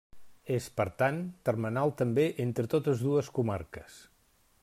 És, per tant, termenal també entre totes dues comarques.